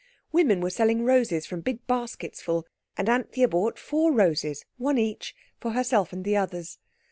Women were selling roses from big baskets full, and Anthea bought four roses, one each, for herself and the others.